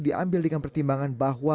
diambil dengan pertimbangan bahwa